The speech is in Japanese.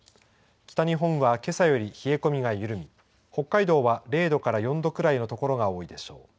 北日本はけさより冷え込みが緩み北海道は０度から４度くらいの所が多いでしょう。